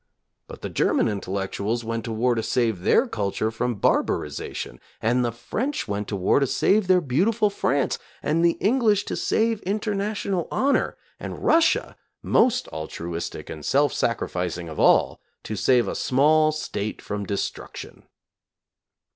But the German intellectuals went to war to save their culture from barbarization ! And the French went to war to save their beautiful France ! And the English to save international honor! And Russia, most altruistic and self sacrificing of all, to save a small State from destruction